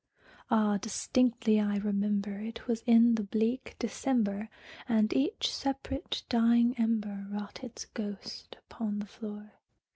Ah, distinctly I remember it was in the bleak December, And each separate dying ember wrought its ghost upon the floor.